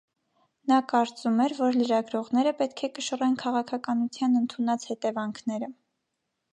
Նա կարծում էր, որ լրագրողները պետք է կշռեն քաղաքականության ընդունած հետևանքները։